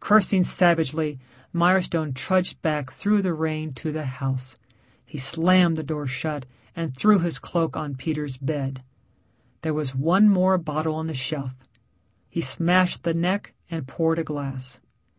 Cursing savagely, Milestone trudged back through the rain to the house. He slammed the door shut and threw his cloak on Peter's bed. There was one more bottle on the shelf; he smashed the neck and poured a glass.